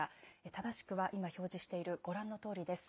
正しくは今表示しているご覧のとおりです。